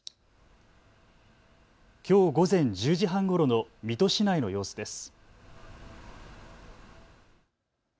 きょう午前１０時半ごろの水戸市内の様子です。